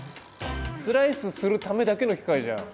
スライスするためだけの機械じゃん！